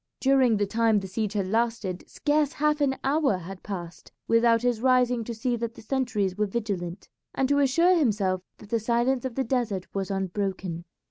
During the time the siege had lasted scarce half an hour had passed without his rising to see that the sentries were vigilant, and to assure himself that the silence of the desert was unbroken.